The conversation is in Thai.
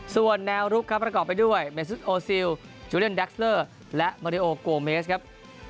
ส่วนแนวรุ่นครับประกอบไปด้วยเมซุทโอซิลจูเลีอนแดคซเลอร์และมาเรโอกควอมเมคครับ